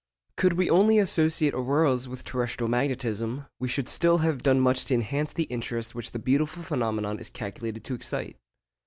Could we only associate auroras with terrestrial magnetism, we should still have done much to enhance the interest which the beautiful phenomenon is calculated to excite.